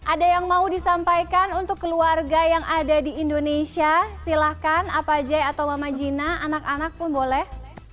ada yang mau disampaikan untuk keluarga yang ada di indonesia silahkan apa jay atau mama gina anak anak pun boleh